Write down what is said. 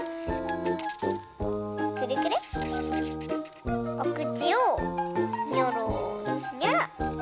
くるくるおくちをにょろにょろ。